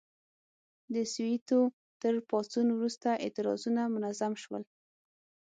د سووېتو تر پاڅون وروسته اعتراضونه منظم شول.